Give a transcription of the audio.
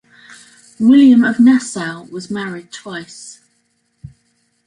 William of Nassau was married twice.